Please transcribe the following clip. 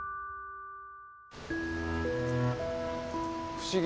不思議。